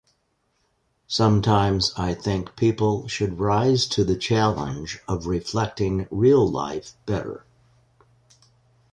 Sometimes I think people should rise to the challenge of reflecting real life better.